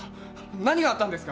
何があったんですか？